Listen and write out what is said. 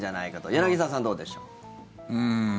柳澤さん、どうでしょう。